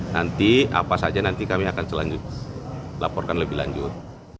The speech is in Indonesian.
nanti apa saja nanti kami akan laporkan lebih lanjut